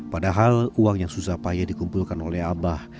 padahal uang yang susah payah dikumpulkan oleh abah